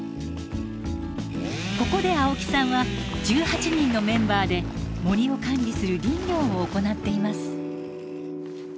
ここで青木さんは１８人のメンバーで森を管理する林業を行っています。